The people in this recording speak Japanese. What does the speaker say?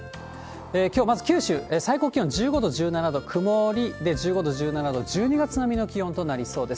きょう、まず九州、最高気温１５度、１７度、曇りで、１５度、１７度、１２月並みの気温となりそうです。